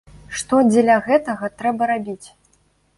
Што дзеля гэтага трэба рабіць?